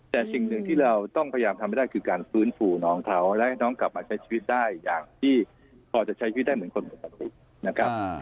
แต่สิ่งหนึ่งที่เราต้องพยายามทำให้ได้คือการฟื้นฟูน้องเขาและให้น้องกลับมาใช้ชีวิตได้อย่างที่พอจะใช้ชีวิตได้เหมือนคนปกตินะครับ